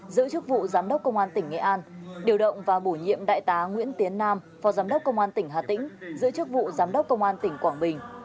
giữ chức vụ giám đốc công an tỉnh nghệ an điều động và bổ nhiệm đại tá nguyễn tiến nam phó giám đốc công an tỉnh hà tĩnh giữ chức vụ giám đốc công an tỉnh quảng bình